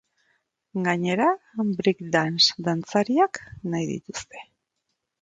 Gainera, breakdance dantzariak nahi dituzte.